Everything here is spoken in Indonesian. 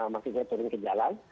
maksudnya turun ke jalan